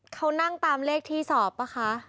เขานั่งตามเลขที่สอบป่ะคะ